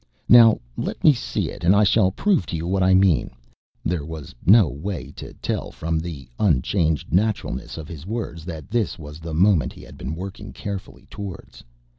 "Now let me see it and I shall prove to you what I mean." There was no way to tell from the unchanged naturalness of his words that this was the moment he had been working carefully towards.